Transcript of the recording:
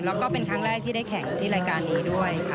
แล้วก็เป็นครั้งแรกที่ได้แข่งที่รายการนี้ด้วยค่ะ